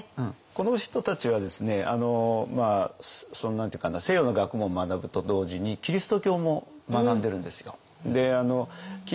この人たちはですね何て言うかな西洋の学問を学ぶと同時にキリスト教も学んでるんですよ。